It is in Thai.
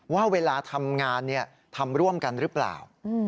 ว่าเวลาทำงานทำร่วมกันหรือเปล่า